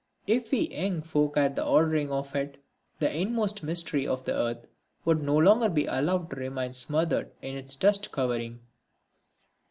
If we young folk had the ordering of it, the inmost mystery of the earth would no longer be allowed to remain smothered in its dust covering.